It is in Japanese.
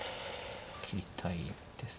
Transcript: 切りたいです。